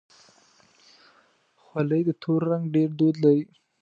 خولۍ د تور رنګ ډېر دود لري.